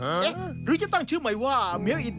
และคู่อย่างฉันวันนี้มีความสุขจริง